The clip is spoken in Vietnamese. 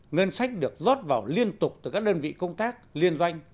ngân sách được rót vào liên tục từ các đơn vị công tác liên doanh